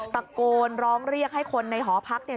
ตะโกนร้องเรียกให้คนในหอพักเนี่ย